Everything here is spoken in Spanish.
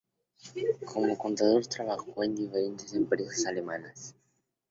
Como contador trabajó en diferentes empresas alemanas.